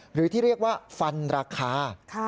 หรือที่เรียกว่าฟันราคา